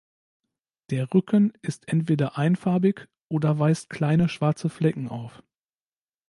Der Rücken ist entweder einfarbig oder weist kleine schwarze Flecken auf.